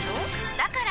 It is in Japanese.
だから！